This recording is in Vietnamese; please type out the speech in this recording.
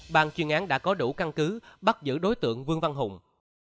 bàn chuyên án đã có đủ căn cứ bắt giữ đối tượng vương văn hùng